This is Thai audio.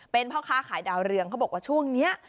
เป็นพ่อค้าขายดาวเรืองเขาบอกว่าช่วงนี้